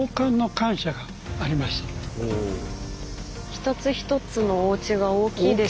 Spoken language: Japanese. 一つ一つのおうちが大きいですね。